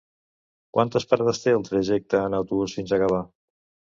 Quantes parades té el trajecte en autobús fins a Gavà?